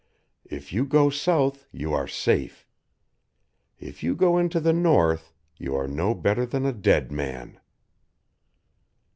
If you go South you are safe. If you go into the North you are no better than a dead man."